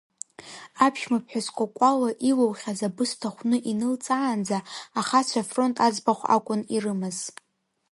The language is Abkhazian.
Аԥшәма ԥҳәыс Кәакәала илухьаз абысҭа хәны инылҵаанӡа, ахацәа афронт аӡбахә акәын ирымаз.